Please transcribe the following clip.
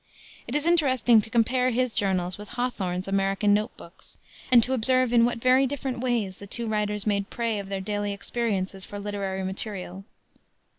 It is interesting to compare his journals with Hawthorne's American Note Books and to observe in what very different ways the two writers made prey of their daily experiences for literary material.